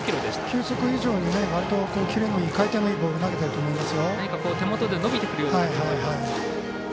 球速以上にキレのいい、回転のいいボールを投げてると思います。